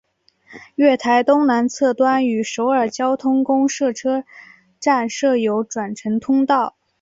月台东南侧端与首尔交通公社车站设有转乘通道。